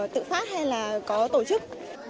tự phát hay là có tổ chức